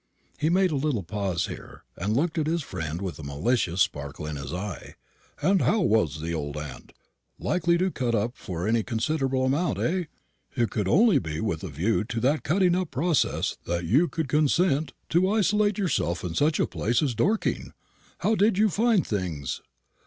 He made a little pause here, and looked at his friend with a malicious sparkle in his eye. "And how was the old aunt? Likely to cut up for any considerable amount, eh? It could only be with a view to that cutting up process that you could consent to isolate yourself in such a place as Dorking. How did you find things?"